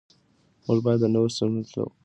موږ بايد د نورو سيمو له لغتونو زده کړو.